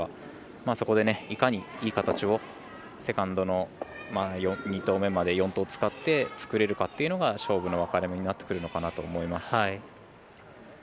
そこで、いかにいい形をセカンドの２投目まで４投使って作れるかというのが勝負の分かれ目になってくると思います。